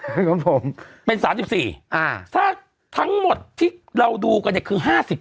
เป็นของผมเป็นสามสิบสี่อ่าถ้าทั้งหมดที่เราดูกันเนี้ยคือห้าสิบ